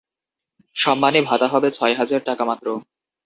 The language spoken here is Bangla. সম্মানী ভাতা হবে ছয় হাজার টাকা মাত্র।